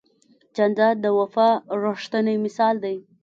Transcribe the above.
جانداد د وفا ریښتینی مثال دی.